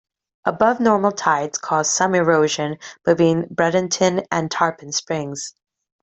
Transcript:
Above normal tides caused some erosion between Bradenton and Tarpon Springs.